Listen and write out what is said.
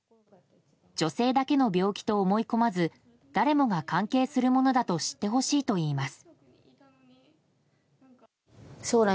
女性だけの病気と思い込まず誰もが関係するものだと知ってほしいといいます。